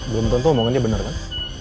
belum tentu omongannya benar kan